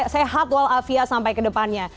sehat walafia sampai kedepannya